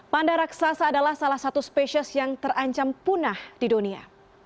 panda raksasa adalah salah satu spesies yang terancam punah di dunia